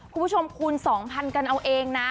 คุณผู้ชมคูณ๒๐๐๐กันเอาเองนะ